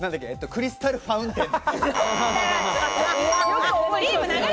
クリスタルファウンテン。